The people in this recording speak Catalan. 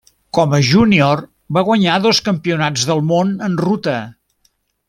Com a júnior va guanyar dos Campionats del món en ruta.